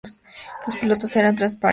Los pilotos eran transparentes.